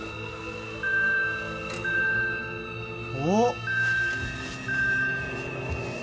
おっ！